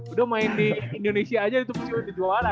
udah main di indonesia aja itu pasti udah juara